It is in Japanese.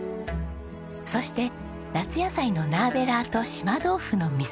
そして夏野菜のナーベーラーと島豆腐のみそ煮。